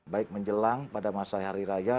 baik menjelang pada masa hari raya